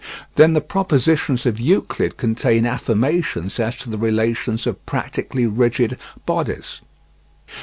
Then the propositions of Euclid contain affirmations as to the relations of practically rigid bodies.